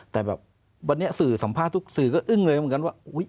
แต่แบบวันนี้สื่อสัมภาษณ์ทุกสื่อก็อึ้งเลยเหมือนกันว่า